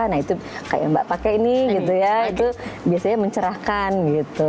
nah itu kayak mbak pakai ini gitu ya itu biasanya mencerahkan gitu